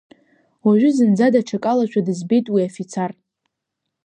Уажәы зынӡа даҽакалашәа дызбеит уи афицар.